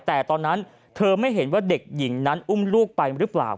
แต่ตอนนั้นเธอไม่เห็นว่าเด็กหญิงนั้นอุ้มลูกไปหรือเปล่า